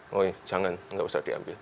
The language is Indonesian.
woy jangan gak usah diambil